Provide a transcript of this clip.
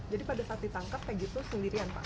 jadi pada saat ditangkap peggy itu sendirian pak